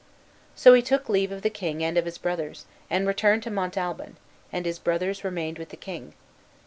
So he took leave of the king and of his brothers, and returned to Montalban, and his brothers remained with the king.